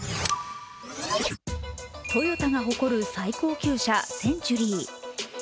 トヨタが誇る最高級車センチュリー。